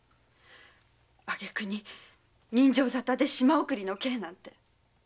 挙げ句に刃傷沙汰で島送りの刑なんて。